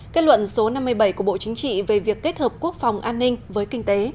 kết luận số năm mươi bảy của bộ chính trị về việc kết hợp quốc phòng an ninh với kinh tế